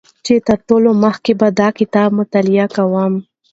چې تر ټولو مخکې به دا کتاب مطالعه کوم